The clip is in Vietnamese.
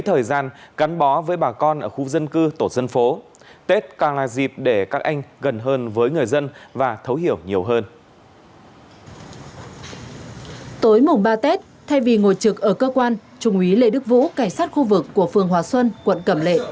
tối mùng ba tết thay vì ngồi trực ở cơ quan trung úy lê đức vũ cảnh sát khu vực của phường hòa xuân quận cẩm lệ